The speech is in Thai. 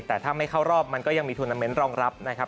แต่ถ้าไม่เข้ารอบมันก็ยังมีทวนาเมนต์รองรับนะครับ